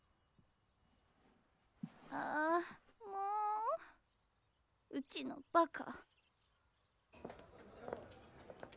あもううちのバカ！